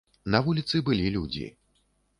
На вуліцы былі людзі.